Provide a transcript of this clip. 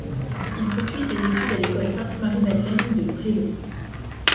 Il poursuit ses études à l'école Sainte-Marie-Madeleine de Breslau.